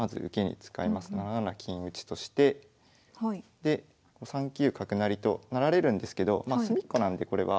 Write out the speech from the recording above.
７七金打としてで３九角成と成られるんですけど隅っこなんでこれは。